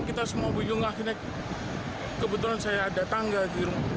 kita semua bingung akhirnya kebetulan saya ada tangga di rumah